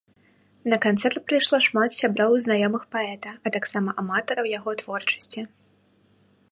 На канцэрт прыйшло шмат сяброў і знаёмых паэта, а таксама аматараў яго творчасці.